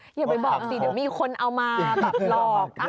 อย่าไปบอกสิเดี๋ยวมีคนเอามาแบบหลอก